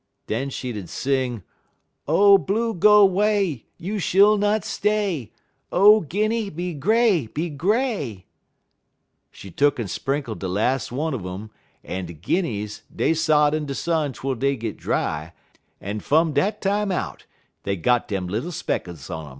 Den she 'ud sing: "'Oh, Blue, go 'way! you shill not stay! Oh, Guinny, be Gray, be Gray!' "She tuck'n sprinkle de las' one un um, en de Guinnies, dey sot in de sun twel dey git dry, en fum dat time out dey got dem little speckles un um."